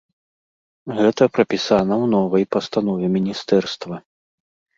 Гэта прапісана ў новай пастанове міністэрства.